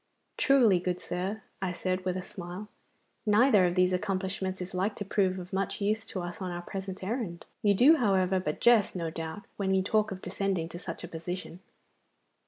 'Truly, good sir,' I said, with a smile, 'neither of these accomplishments is like to prove of much use to us on our present errand. You do, however, but jest, no doubt, when you talk of descending to such a position.